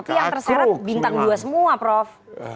tapi yang terseret bintang dua semua prof